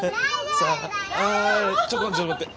はいちょっとちょっと待って。